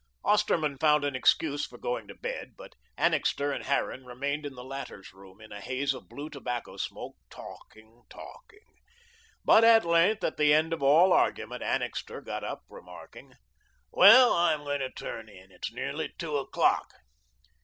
Osterman found an excuse for going to bed, but Annixter and Harran remained in the latter's room, in a haze of blue tobacco smoke, talking, talking. But at length, at the end of all argument, Annixter got up, remarking: "Well, I'm going to turn in. It's nearly two o'clock."